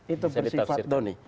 itu bersifat doni